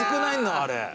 あれ。